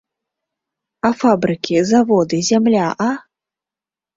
А фабрыкі, заводы, зямля, а?